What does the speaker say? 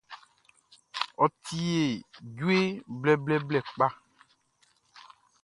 Ɔ tie djue blɛblɛblɛ kpa.